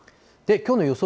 きょうの予想